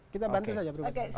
kita bantu saja privatisasi